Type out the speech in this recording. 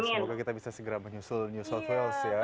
semoga kita bisa segera menyusul new south wales ya